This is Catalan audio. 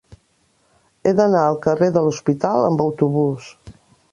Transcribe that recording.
He d'anar al carrer de l'Hospital amb autobús.